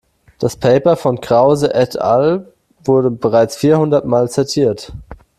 Das Paper von Krause et al. wurde bereits vierhundertmal zitiert.